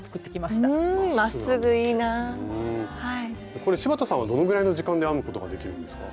これ柴田さんはどのぐらいの時間で編むことができるんですか？